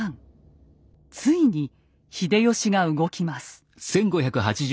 ついに秀吉が動きます。